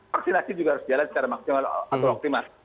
vaksinasi juga harus jalan secara optimal